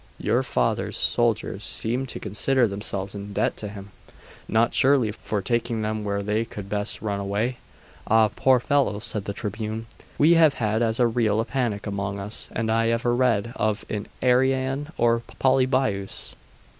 'Your father's soldiers seem to consider themselves in debt to him: not, surely, for taking them where they could best run away?' 'Ah, poor fellows!' said the Tribune; 'we have had as real a panic among us as I ever read of in Arrian or Polybius.